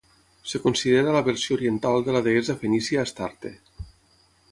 Es considera la versió oriental de la deessa fenícia Astarte.